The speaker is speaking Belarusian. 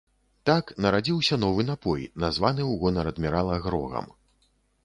Так нарадзіўся новы напой, названы ў гонар адмірала грогам.